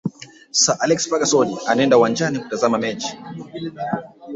sir alex ferguson anaenda uwanjani kutazama mechi